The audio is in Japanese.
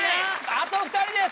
あと２人です。